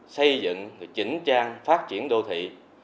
xây dựng chỉnh trang phát triển đô thị